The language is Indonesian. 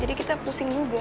jadi kita pusing juga